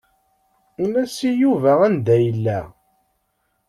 In-as i Yuba anda yella.